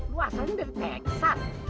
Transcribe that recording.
luahsanya dari texas